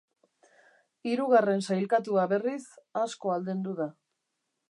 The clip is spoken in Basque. Hirugarren sailkatua, berriz, asko aldendu da.